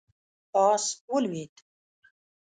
آس ولوېد.